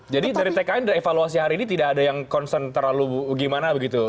jadi dari tki evaluasi hari ini tidak ada yang concern terlalu gimana begitu pak ericko